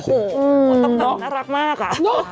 ต้องการน่ารักมากอะ